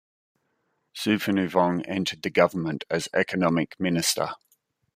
Souphanouvong entered the government as Economic Minister.